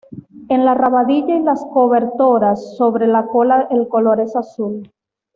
En la rabadilla y las cobertoras sobre la cola el color es azul.